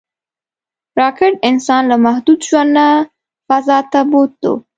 راکټ انسان له محدود ژوند نه فضا ته بوتلو